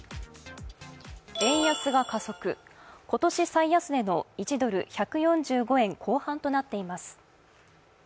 円安が加速、今年最安値の１ドル＝１４５円後半となっています。